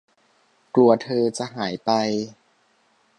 กลัวเธอจะหายไป